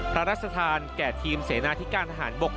พระราชทานแก่ทีมเสนาธิการทหารบก